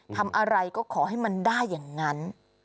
ทำอะไรก็ขอให้มันได้อย่างนั้น